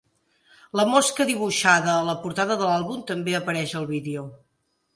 La mosca dibuixada a la portada de l'àlbum també apareix al vídeo.